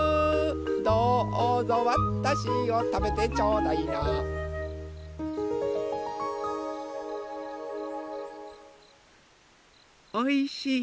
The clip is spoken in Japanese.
どうぞわたしをたべてちょうだいなおいしい